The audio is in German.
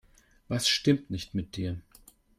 Was stimmt nicht mit dir?